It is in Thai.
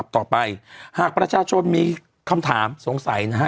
เป็นการกระตุ้นการไหลเวียนของเลือด